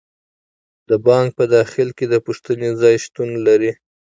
د بانک په داخل کې د پوښتنې ځای شتون لري.